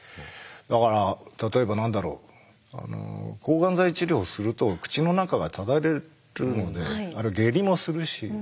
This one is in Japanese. だから例えば何だろう抗がん剤治療をすると口の中がただれるので下痢もするしおう吐もすごい。